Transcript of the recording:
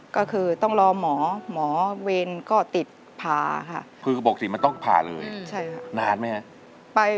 ก็คือต้องรอหมอหมอเวรก็ติดผ่าค่ะ